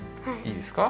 いいですか？